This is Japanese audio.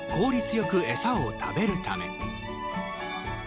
よく餌を食べるため。